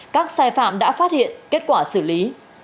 các sai phạm đã phát hiện kết quả xử lý